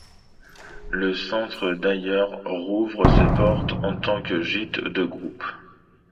Le Centre d'Ailleurs rouvre ses portes en tant que gîte de groupe.